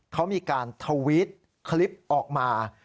เขามีการทวิตคลิปออกมา